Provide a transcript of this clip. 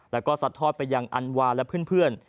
แล้วก็สัดทอดไปยังอันวาและเพื่อน